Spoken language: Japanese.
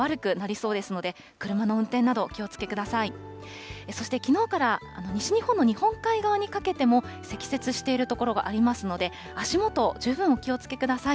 そしてきのうから、西日本の日本海側にかけても、積雪している所がありますので、足元、十分お気をつけください。